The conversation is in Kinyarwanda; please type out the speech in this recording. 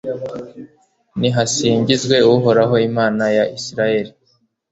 Nihasingizwe Uhoraho Imana ya Israheli